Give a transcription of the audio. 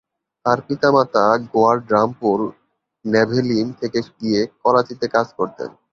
তার পিতামাতা গোয়ার ড্রামপুর/ন্যাভেলিম থেকে গিয়ে করাচিতে কাজ করতেন।